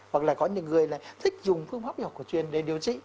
hoặc là có những người là thích dùng phương pháp y học cổ truyền để điều trị